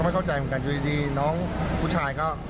ก็ไม่เข้าใจเหมือนกันอยู่ดีน้องผู้ชายเขา